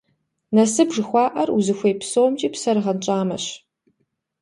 Насып жыхуаӀэр узыхуей псомкӀи псэр гъэнщӀамэщ.